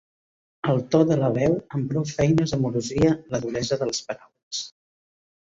El to de la veu amb prou feines amorosia la duresa de les paraules.